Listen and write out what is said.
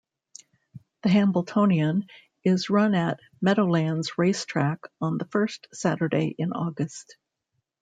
The Hambletonian is run at Meadowlands Racetrack on the first Saturday in August.